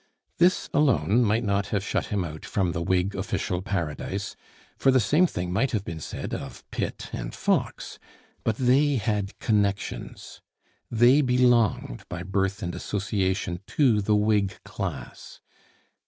This alone might not have shut him out from the Whig official Paradise, for the same thing might have been said of Pitt and Fox: but they had connections; they belonged by birth and association to the Whig class.